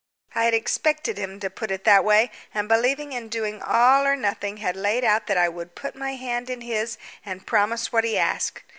I had expected him to put it in that way, and believing in doing all or nothing, had laid out that I would put my hand in his and promise what he asked.